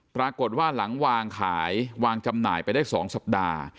ปรากฏว่าหลังวางขายวางจำหน่ายไปได้๒สัปดาห์